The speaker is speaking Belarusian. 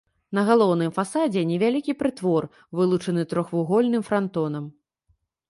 На галоўным фасадзе невялікі прытвор, вылучаны трохвугольным франтонам.